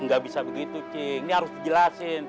ga bisa begitu cing ini harus dijelasin